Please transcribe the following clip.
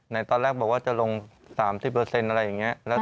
ในตอนแรกเบาะว่าจะลง๓๐อะไรอะไรอย่างนี้